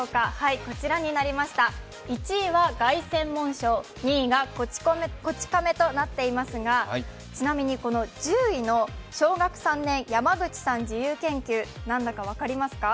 １位は凱旋門賞、２位が「こち亀」となっていますが、ちなみに１０位の小学３年山口さん自由研究、何だか分かりますか？